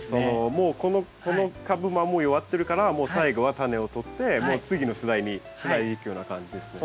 もうこの株はもう弱ってるからもう最後はタネをとって次の世代につないでいくような感じですね。